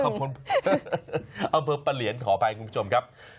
อำเภอปะเหลียนขออภัยคุณผู้ชมครับ